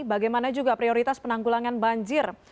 bagaimana juga prioritas penanggulangan banjir